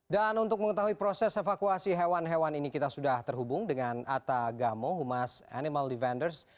dan untuk mengetahui proses evakuasi hewan hewan ini kita sudah terhubung dengan atta gamo humas animal defenders